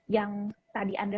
yang tadi anda